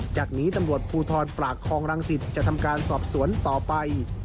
จากนี้ตำรวจภูทรปากคลองรังสิตจะทำการสอบสวนต่อไป